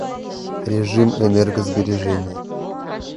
Режим энергосбережения